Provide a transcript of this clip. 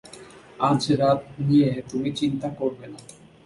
আজ রাত নিয়ে তুমি চিন্তা করবে না।